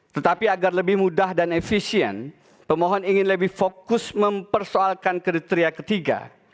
tetapi agar lebih mudah dan efisien pemohon ingin lebih fokus mempersoalkan kriteria ketiga